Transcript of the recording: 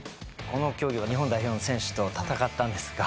この競技は日本代表の選手と戦ったんですが。